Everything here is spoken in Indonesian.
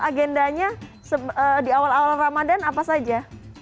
agendanya di awal awal ramadan apa saja